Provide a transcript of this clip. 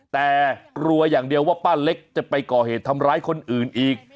แต่กลัวอย่างเดียวว่าป้าเล็กจะไปก่อเหตุทำร้ายคนอื่นอีก